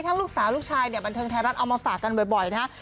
ลูกสาวลูกชายเนี่ยบันเทิงไทยรัฐเอามาฝากกันบ่อยนะฮะ